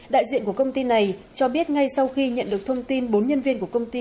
đại diện của công ty này cho biết ngay sau khi nhận được thông tin bốn nhân viên của công ty